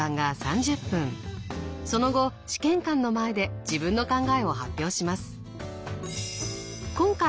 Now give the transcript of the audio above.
その後試験官の前で自分の考えを発表します。